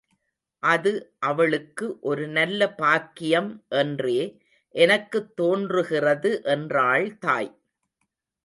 அது அவளுக்கு ஒரு நல்ல பாக்கியம் என்றே எனக்குத் தோன்றுகிறது என்றாள் தாய்.